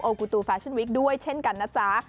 กูตูแฟชั่นวิกด้วยเช่นกันนะจ๊ะ